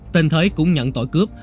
tên thới cũng nhận tội cướp